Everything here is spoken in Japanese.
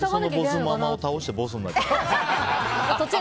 そのボスママを倒してボスになったの？